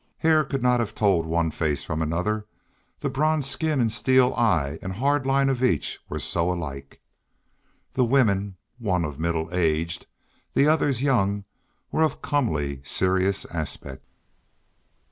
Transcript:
Hare could not have told one face from another, the bronze skin and steel eye and hard line of each were so alike. The women, one middle aged, the others young, were of comely, serious aspect.